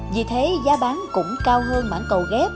vì thế giá bán cũng cao hơn mãng cầu ghép